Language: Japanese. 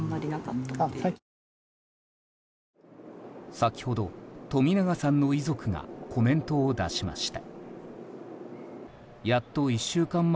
先ほど冨永さんの遺族がコメントを出しました。